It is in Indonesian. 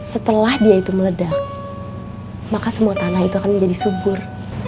setelah dia itu meledak maka semua tanah itu akan menjadi subur